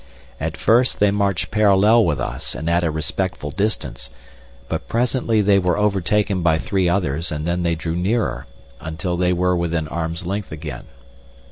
At first they marched parallel with us, and at a respectful distance, but presently they were overtaken by three others, and then they drew nearer, until they were within arms length again.